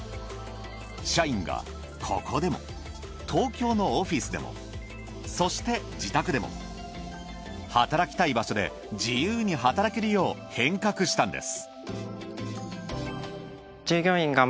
社員がここでも東京のオフィスでもそして自宅でも働きたい場所で自由に働けるよう変革したんです。